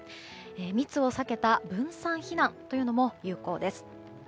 密を避けた分散避難というのも有効です。